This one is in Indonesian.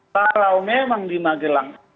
kalau memang di magelang